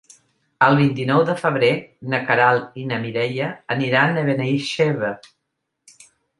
El vint-i-nou de febrer na Queralt i na Mireia aniran a Benaixeve.